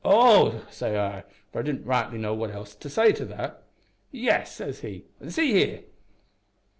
"`Oh!' say I, for I didn't rightly know what else to say to that. "`Yes,' says he; `an' see here.'